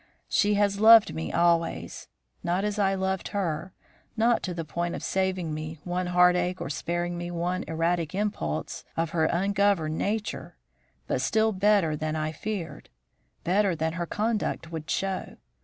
She has loved me always; not as I loved her, not to the point of saving me one heartache or sparing me one erratic impulse of her ungoverned nature, but still better than I feared; better than her conduct would show.